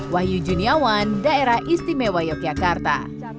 wahyu juniawan daerah istimewa yogyakarta